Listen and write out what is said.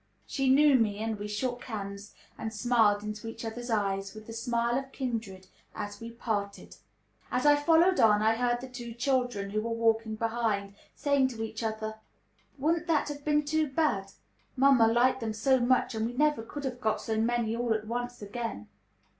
She knew me; and we shook hands, and smiled into each other's eyes with the smile of kindred as we parted. As I followed on, I heard the two children, who were walking behind, saying to each other, "Wouldn't that have been too bad? Mamma liked them so much, and we never could have got so many all at once again."